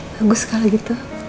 bagus kalau gitu